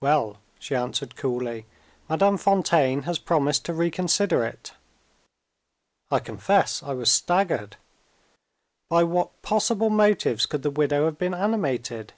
"Well," she answered coolly, "Madame Fontaine has promised to reconsider it." I confess I was staggered. By what possible motives could the widow have been animated?